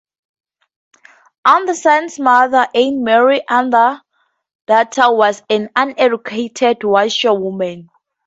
Andersen's mother, Anne Marie Andersdatter, was an uneducated washerwoman.